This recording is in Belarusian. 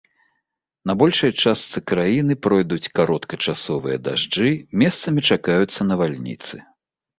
На большай частцы краіны пройдуць кароткачасовыя дажджы, месцамі чакаюцца навальніцы.